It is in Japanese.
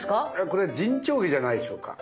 これ沈丁花じゃないでしょうか。